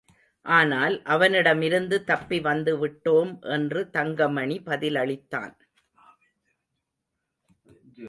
ஆனால், அவனிடமிருந்து தப்பி வந்துவிட்டோம் என்று தங்கமணி பதிலளித்தான்.